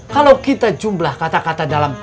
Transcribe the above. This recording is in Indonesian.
kalau kita jumlah kata kata dalam